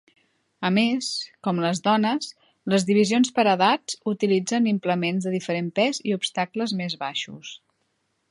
A més, com les dones, les divisions per edats utilitzen implements de diferent pes i obstacles més baixos.